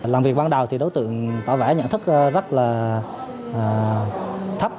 làm việc ban đầu thì đối tượng tỏ vẻ nhận thức rất là thấp